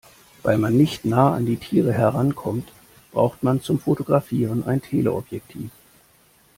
Weil man nicht nah an die Tiere herankommt, braucht man zum Fotografieren ein Teleobjektiv.